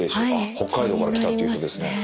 北海道から来たっていう人ですね。